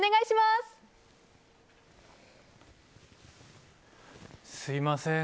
すみません。